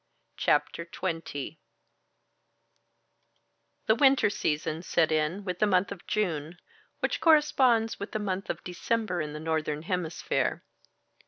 Chapter 20 The winter season set in with the month of June, which corresponds with the month of December in the Northern Hemisphere.